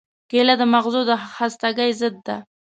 کېله د مغزو د خستګۍ ضد ده.